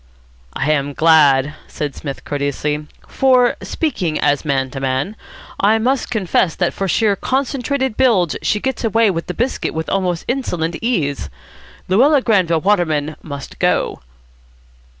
"I am glad," said Psmith courteously. "For, speaking as man to man, I must confess that for sheer, concentrated bilge she gets away with the biscuit with almost insolent ease. Luella Granville Waterman must go."